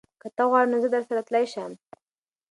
که ته وغواړې نو زه درسره تلی شم.